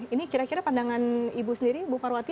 ini kira kira pandangan ibu sendiri bu parwati